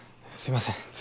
すいません。